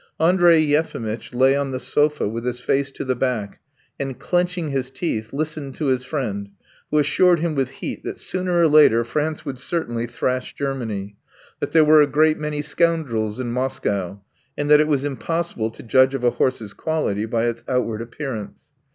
Andrey Yefimitch lay on the sofa, with his face to the back, and clenching his teeth, listened to his friend, who assured him with heat that sooner or later France would certainly thrash Germany, that there were a great many scoundrels in Moscow, and that it was impossible to judge of a horse's quality by its outward appearance.